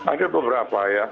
ada beberapa ya